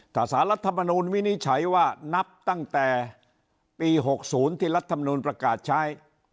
ถ้าสารรัฐมนูลวินิจฉัยว่านับตั้งแต่ปี๖๐ที่รัฐมนูลประกาศใช้